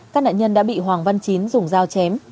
các nạn nhân đã bị hoàng văn chín dùng dao chém